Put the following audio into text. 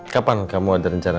kapan kamu ada rencana